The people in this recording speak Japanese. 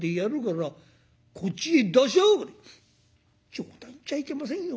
「冗談言っちゃいけませんよ。